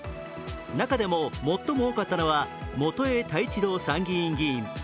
中でも最も多かったのは元栄太一郎参院議員。